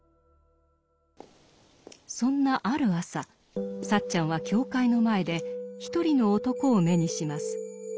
そんなある朝サッチャンは教会の前で一人の男を目にします。